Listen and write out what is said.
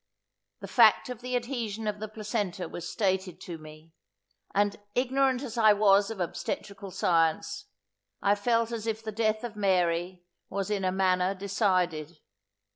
The fact of the adhesion of the placenta was stated to me; and, ignorant as I was of obstetrical science, I felt as if the death of Mary was in a manner decided.